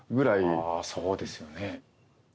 ああそうですよね。